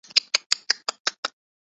پھر یہ بے چارہ نہ جانے کیا کر گزرے